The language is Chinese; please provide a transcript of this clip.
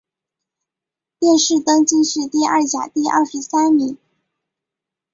殿试登进士第二甲第二十三名。